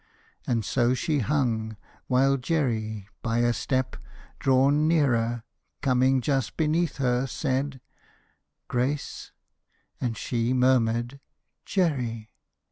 And so she hung, while Jerry by a step Drawn nearer, coming just beneath her, said, "Grace!" And she murmured, "Jerry!"